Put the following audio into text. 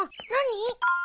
何？